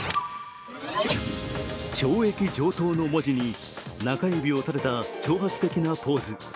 「懲役上等」の文字に、中指を立てた挑発的なポーズ。